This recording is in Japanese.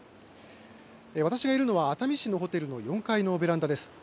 私がいるのは熱海市のホテルの４階のベランダです。